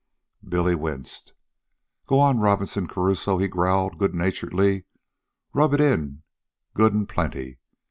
Billy winced. "Go on, Robinson Crusoe," he growled good naturedly. "Rub it in good an' plenty.